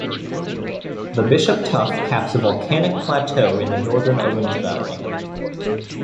The Bishop Tuff caps a volcanic plateau in the northern Owens Valley.